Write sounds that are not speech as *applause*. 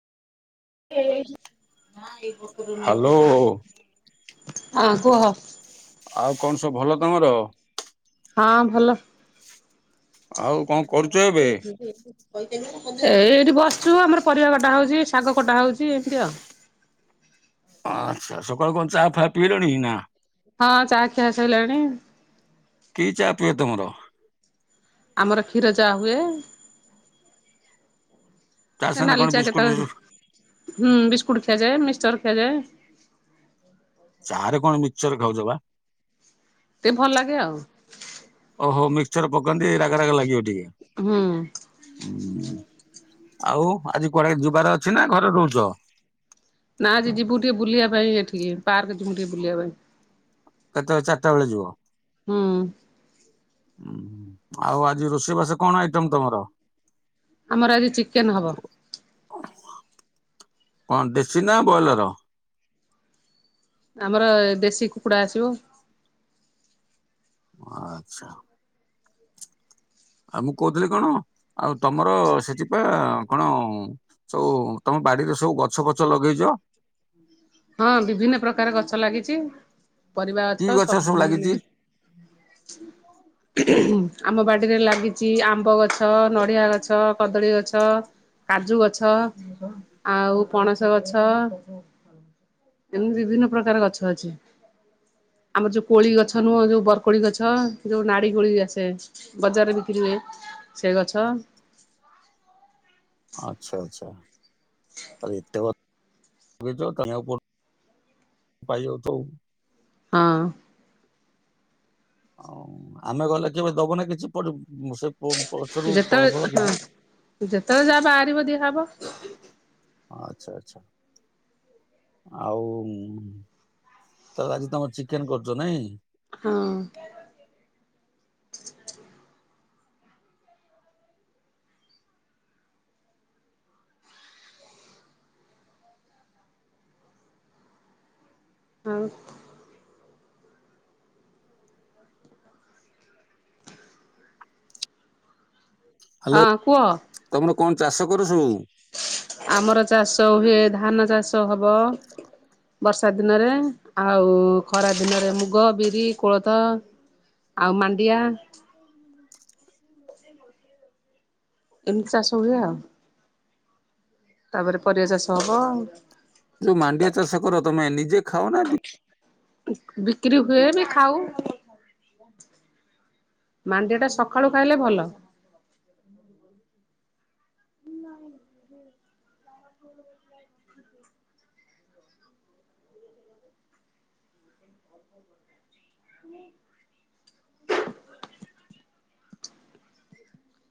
ହଁ କୁହ। ହ୍ୟାଲୋ। ଆଉ କଣ ସବୁ ଭଲ ତମର? ହଁ ଭଲ। ଆଉ କଣ କରୁଚ ଏବେ? ଏବେ ଏଇ ଏଇଠି ବସିଛୁ ଆମର ପରିବା କଟା ହଉଛି ଶାଗ କଟା ହଉଛି ଏମିତି ଆଉ। ଆଛା ସକାଳୁ କଣ ଚାହା ଫାହା ପିଇଲେଣି ନା। ହଁ ଚା ଖିଆସଇିଲାଣି। କି ଚା ପିଏ ତୁମର? ଆମର କ୍ଷୀର ଚାହା ହୁଏ। ଚା ସାଙ୍ଗରେ ନାଲି କଣ ଚା ବିସ୍କୁଟ କେତେ ଫିସ୍କୁଟ ହୁଁ ବିସ୍କୁଟ୍ ଖିଆଯାଏ ମିକସଚର ଖିଆଯାଏ। ଚା ରେ କଣ ମିକ୍ସଚର ଖାଉଛ ବା? ଟିକେ ଭଲ ଲାଗେ ଆଉ। ଓହୋ ମିକ୍ସର ପକାନ୍ତି ରାଗ ରାଗ ଲାଗିବ ଟିକେ। ହୁଁ ହୁଁ ଆଉ ଆଜି କୁଆଡେ ଯିବାର ଅଛି ନା ଘରେ ରହୁଛ? ନା ଆଜି ଯିବୁ ଟିକେ ବୁଲିବା ପାଇଁ ଏଠିକେ ପାର୍କ ଯିବୁ ଟିକେ ବୁଲିବା ପାଇଁ। କେତେବେଳେ ଚାରିଟା ବେଳେ ଯିବ। ହୁଁ। ଉଁ ଆଉ ଆଜି ରୋଷେଇବାସ କଣ ଆଇଟମ ତମର? ଆମର ଆଜି ଚିକେନ ହବ। କଣ ଦେଶୀ ନା ବଏଲର? ଆମର ଦେଶୀ କୁକୁଡ଼ା ଆସିବ। ଆଚ୍ଛା। ଆଉ ମୁଁ କହୁଥିଲି କଣ ଆଉ ତମର ସେଥିପାଇଁ କଣ ସବୁ ତମ ବାଡିରେ ସବୁ ଗଛ ଫଛ ଲଗେଇଛ। ହଁ ବିଭିନ୍ନ ପ୍ରକାର ଗଛ ଲାଗିଛି ପରିବା ଗଛ ସବୁ ମାନେ *unintelligible* ଆମ ବାଡ଼ିରେ ଲାଗିଛି ଆମ୍ବ ଗଛ, ନଡ଼ିଆ ଗଛ, କଦଳୀ ଗଛ କାଜୁ ଗଛ ଆଉ ପଣସ ଗଛ। ଏମିତି ବିଭିନ୍ନ ପ୍ରକାର ଗଛ ଅଛି। ଆମର ଯୋଉ କୋଳି ଗଛ ନୁହଁ ଯୋଉ ବରକୋଳି ଗଛ ଯୋଉ ନାଡି କୋଳି ଆସେ। ବଜାରରେ ବିକ୍ରି ହୁଏ ସେ ଗଛ। ଆଚ୍ଛା ଆଚ୍ଛା। ଆଉ ଏତେ ଗ ହୁଏ ତ *unintelligible* ପାଇବ ତ ହଁ। ହଉ ଆମେ ଗଲେ କେବେ ଦବୁନା କିଛି ପ ସେ ପ ଗଛରୁ ଫଳ ଯେତେବେଳେ ଫଳ କିଛି? ହଁ ଯେତେବେଳେ ଯାଆ ବାହାରିବ ଦିଆ ହବ। ଆଚ୍ଛା ଆଚ୍ଛା ଆଉ। ତାହେଲେ ଆଜି ତମର ଚିକେନ କରୁଚ ନାଇଁ। ହଁ ଆଉ ହ୍ୟାଲୋ ହଁ କୁହ। ତମର କଣ ଚାଷ କର ସବୁ। ଆମର ଚାଷ ହୁଏ ଧାନ ଚାଷ ହବ। ବର୍ଷା ଦିନରେ ଆଉ ଖରା ଦିନରେ ମୁଗ ବିରି କୋଳଥ। ଆଉ ମାଣ୍ଡିଆ ଏମିତି ଚାଷ ହୁଏ ଆଉ। ତାପରେ ପରିବା ଚାଷ ହବ। ଯୋଉ ମାଣ୍ଡିଆ ଚାଷ କର ତମେ ନିଜେ ଖାଅ ନା ବି। ବିକ୍ରି ହୁଏ ବି ଖାଉ ମାଣ୍ଡିଆଟା ସକାଳୁ ଖାଇଲେ ଭଲ ହ *inaudible* ଆଉ *inaudible* ହଁ *inaudible*